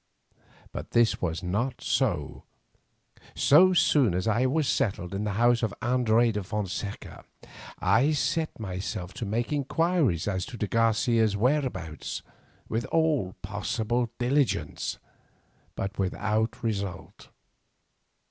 But this was not so. So soon as I was settled in the house of Andres de Fonseca I set myself to make inquiries as to de Garcia's whereabouts with all possible diligence, but without result.